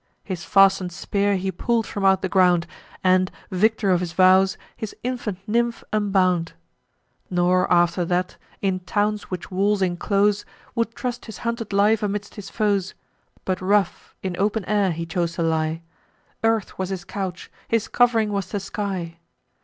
His fasten'd spear he pull'd from out the ground, And, victor of his vows, his infant nymph unbound; Nor, after that, in towns which walls inclose, Would trust his hunted life amidst his foes; But, rough, in open air he chose to lie; Earth was his couch, his cov'ring was the sky.